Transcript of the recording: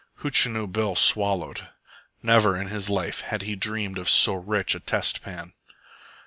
Hootchinoo Bill swallowed. Never in his life had he dreamed of so rich a test pan.